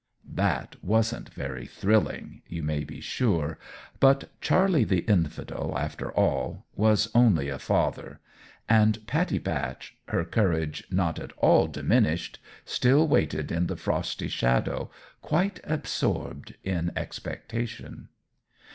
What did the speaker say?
That wasn't very thrilling, you may be sure; but Charlie the Infidel, after all, was only a father, and Pattie Batch, her courage not at all diminished, still waited in the frosty shadow, quite absorbed in expectation.